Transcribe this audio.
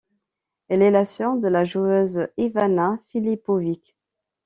Elle est la sœur de la joueuse Ivana Filipović.